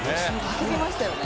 入りましたよね。